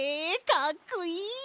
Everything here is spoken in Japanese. かっこいい！